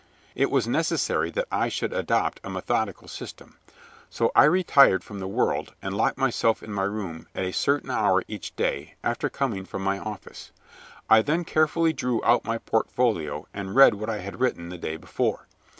It was necessary that I should adopt a methodical system, so I retired from the world and locked myself in my room at a certain hour each day, after coming from my office. I then carefully drew out my portfolio and read what I had written the day before.